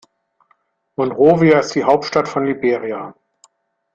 Monrovia ist die Hauptstadt von Liberia.